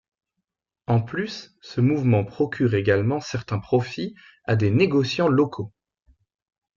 En plus, ce mouvement procure également certains profits à des négociants locaux.